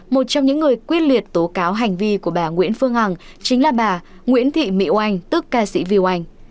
một trong những người quyết liệt tố cáo hành vi của bà nguyễn phương hằng chính là bà nguyễn thị mỹ oanh tức ca sĩ viu anh